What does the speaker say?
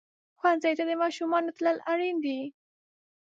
ښوونځي ته د ماشومانو تلل اړین دي.